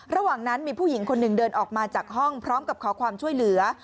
ระหว่างนั้นมีผู้หญิงคนหนึ่งเดินออกมาจากห้องพร้อมกับขอความช่วยเหลือ